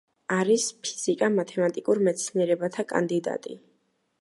არის ფიზიკა-მათემატიკურ მეცნიერებათა კანდიდატი.